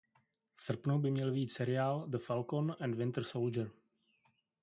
V srpnu by měl vyjít seriál The Falcon and Winter soldier.